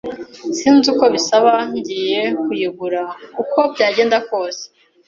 Sinzi uko bisaba. Ngiye kuyigura uko byagenda kose.